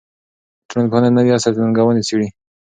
ټولنپوهنه د نوي عصر ننګونې څېړي.